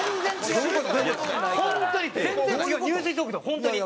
本当に。